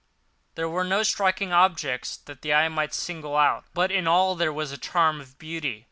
There were no striking objects that the eye might single out; but in all there was a charm of beauty.